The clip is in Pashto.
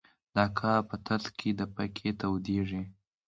د کار په ترڅ کې د پکې تودیږي.